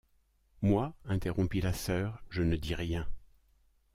Moi, interrompit la sœur, je ne dis rien.